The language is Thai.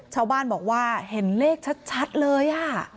ชาวบ้านบอกว่าเห็นเลขชัดเลย